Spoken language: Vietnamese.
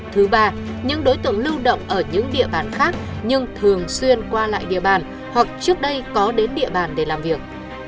thứ ba những đối tượng lưu động ở những địa bàn khác nhưng thường xuyên qua lại địa bàn hoặc trước đây có đến địa bàn để làm việc